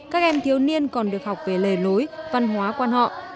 các em thiếu niên còn được học về lề lối văn hóa quan họ